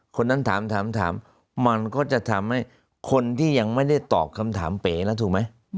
คนนั้นถามมันก็จะทำให้คนที่ยังไม่ได้ตอบคำถามเป๋แล้วถูกไหม